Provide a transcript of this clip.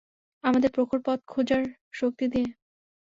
আমাদের প্রখর পথ খোঁজার শক্তি দিয়ে?